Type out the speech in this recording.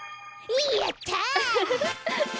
やった！